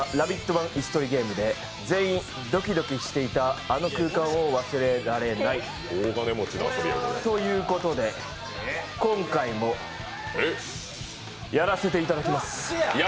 版「椅子取りゲーム」で全員、ドキドキしていた、あの空間を忘れられない。ということで今回もやらせていただきます！